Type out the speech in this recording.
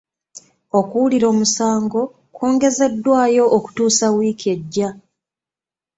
Okuwulira omusango kwongezeddwayo okutuusa wiiki ejja.